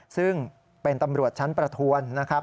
ซึ่งเป็นตำรวจชั้นประทวนนะครับ